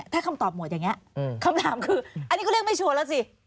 ถ้าคำตอบหมดอย่างนี้คำถามคืออันนี้เขาเรียกไม่ชัวร์แล้วสิ